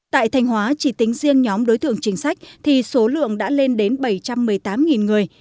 tại thanh hóa chỉ tính riêng nhóm đối tượng chính sách thì số lượng đã lên đến bảy trăm một mươi tám người